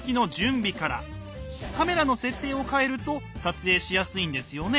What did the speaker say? カメラの設定を替えると撮影しやすいんですよね？